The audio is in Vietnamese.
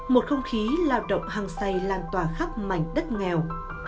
một không khí lao động hàng xây lan tòa khắp mảnh đất nghèo